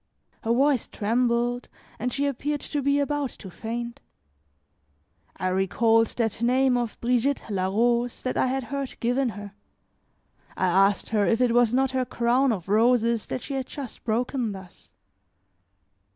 Her voice trembled, and she appeared to be about to faint. I recalled that name of Brigitte la Rose that I had heard given her. I asked her if it was not her crown of roses that she had just broken thus.